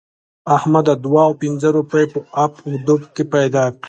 احمد دوه او پينځه روپۍ په اپ و دوپ پیدا کړې.